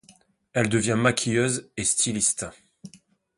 Elle devient maquilleuse et styliste.